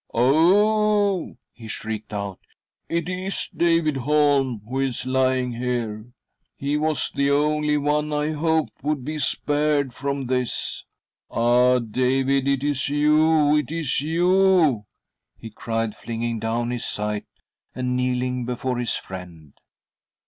" Oh !" he shrieked out,,," it is David Holm who is lying here ! He was the only one I hoped would be spared from this. "Ah, David, it is you, it is you!" he cried, flinging down his scythe, and kneeling before bis friend.